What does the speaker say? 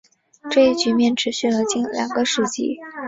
这一局面持续了近两个世纪。